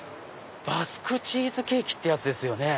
バスクチーズケーキですよね。